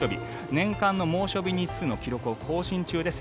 年間の猛暑日日数の記録を更新中です。